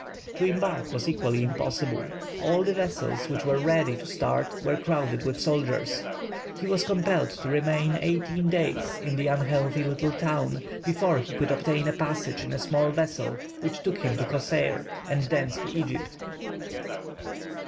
To embark was equally impossible; all the vessels which were ready to start were crowded with soldiers. He was compelled to remain eighteen days in the unhealthy little town, before he could obtain a passage in a small vessel which took him to Cosseir, and thence to Egypt.